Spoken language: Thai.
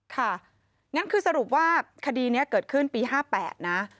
ค่ะงั้นคือสรุปว่าคดีนี้เกิดขึ้นปี๕๘นะ